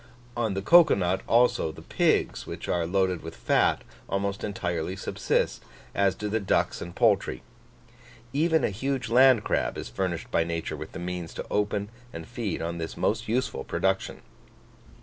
On the cocoa nut, also, the pigs, which are loaded with fat, almost entirely subsist, as do the ducks and poultry. Even a huge land crab is furnished by nature with the means to open and feed on this most useful production.